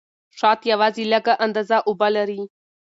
شات یوازې لږه اندازه اوبه لري.